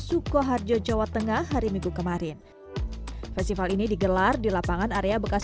sukoharjo jawa tengah hari minggu kemarin festival ini digelar di lapangan area bekas